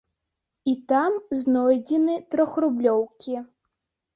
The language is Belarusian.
І там знойдзены трохрублёўкі.